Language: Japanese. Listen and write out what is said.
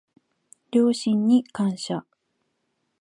両親に感謝